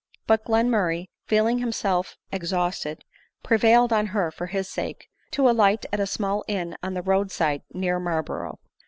But Glenmurray, feeling himsell exhausted, prevailed on her, for his sake, to alight at a small inn on the road side near Marlborough.